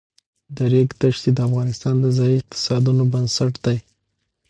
د ریګ دښتې د افغانستان د ځایي اقتصادونو بنسټ دی.